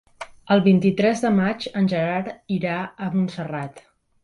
El vint-i-tres de maig en Gerard irà a Montserrat.